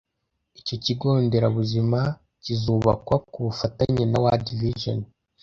Icyo kigo nderabuzima kizubakwa ku bufatanye na World Vision